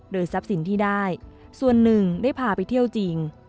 ทรัพย์สินที่ได้ส่วนหนึ่งได้พาไปเที่ยวจริง